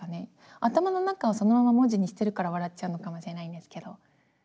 頭の中をそのまま文字にしてるから笑っちゃうのかもしれないんですけど。